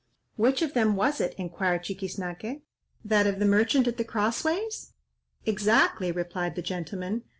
"Which of them was it," inquired Chiquiznaque, "that of the merchant at the Cross ways?" "Exactly," replied the gentleman.